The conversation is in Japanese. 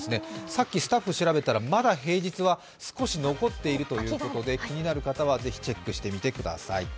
さっきスタッフが調べたらまだ平日は少し残っているということで、気になる方は、ぜひチェックしてみてください。